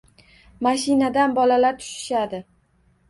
Mashinadan bolalar tushishadi.